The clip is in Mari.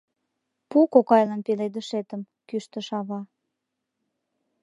— Пу кокайлан пеледышетым, — кӱштыш ава.